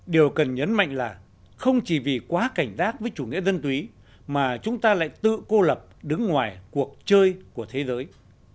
điều cần nhấn mạnh là không chỉ vì quá cảnh giác với chủ nghĩa dân túy mà chúng ta lại tự cô lập đứng ngoài cuộc chơi của thế giới